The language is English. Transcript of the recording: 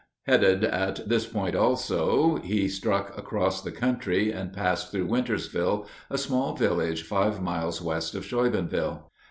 Headed at this point also, he struck across the country and passed through Wintersville, a small village five miles west of Steubenville.